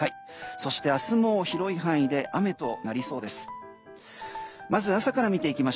そして、明日も広い範囲で雨となりそうです。